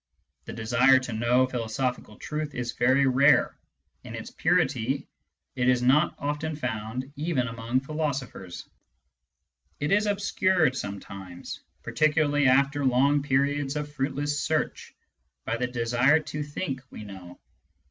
The desire to know philo sophical truth is very rare — in its purity, it is not often found even among philosophers. It is obscured some times — particularly after long periods of fruitless search — by the desire to think we know.